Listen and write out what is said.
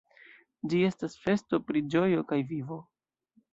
Ĝi estas festo pri ĝojo kaj vivo.